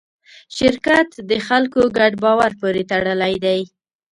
شرکت د خلکو ګډ باور پورې تړلی دی.